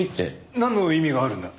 なんの意味があるんだ？